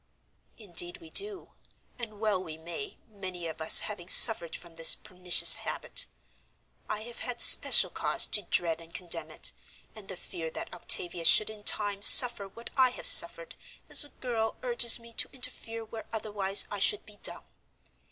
"Indeed we do, and well we may, many of us having suffered from this pernicious habit. I have had special cause to dread and condemn it, and the fear that Octavia should in time suffer what I have suffered as a girl urges me to interfere where otherwise I should be dumb.